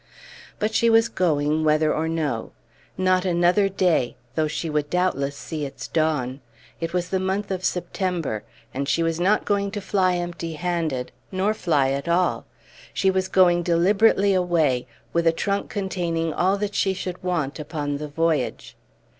But she was going, whether or no; not another day though she would doubtless see its dawn. It was the month of September. And she was not going to fly empty handed, nor fly at all; she was going deliberately away, with a trunk containing all that she should want upon the voyage.